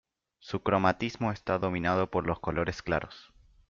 Su cromatismo está dominado por los colores claros.